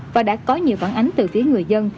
và đã có nhiều phản ánh từ phía người dân